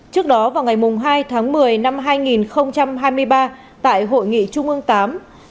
trước đó vào ngày hai tháng một mươi năm hai nghìn hai mươi ba tại hội nghị trung ương viii